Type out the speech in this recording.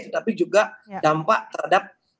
tetapi juga dampak terhadap